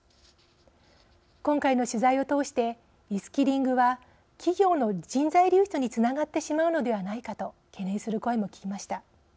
今回の取材を通してリスキリングは企業の人材流出につながってしまうのではないかと懸念する声も聞きました。